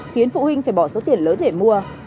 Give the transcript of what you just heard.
khiến phụ huynh phải bỏ số tiền lớn để mua